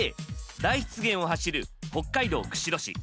大湿原を走る北海道・釧路市。